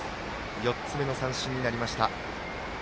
４つ目の三振になりました。